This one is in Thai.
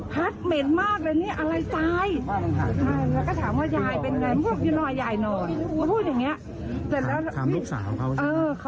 ปรากฏว่าแม่เป็นศพเสียชีวิตแล้ว